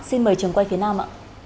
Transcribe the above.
xin mời trường quay phía nam